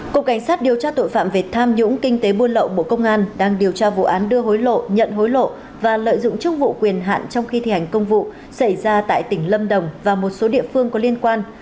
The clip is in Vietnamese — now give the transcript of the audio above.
cục cảnh sát điều tra tội phạm về tham nhũng kinh tế buôn lậu bộ công an đang điều tra vụ án đưa hối lộ nhận hối lộ và lợi dụng chức vụ quyền hạn trong khi thi hành công vụ xảy ra tại tỉnh lâm đồng và một số địa phương có liên quan